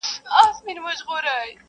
نه شاهین به یې له سیوري برابر کړي!.